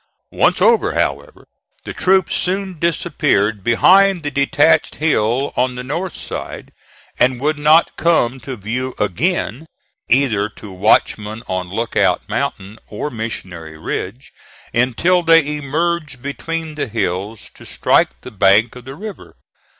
Once over, however, the troops soon disappeared behind the detached hill on the north side, and would not come to view again, either to watchmen on Lookout Mountain or Missionary Ridge, until they emerged between the hills to strike the bank of the river.